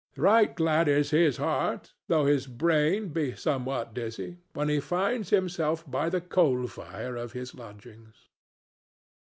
Right glad is his heart, though his brain be somewhat dizzy, when he finds himself by the coal fire of his lodgings.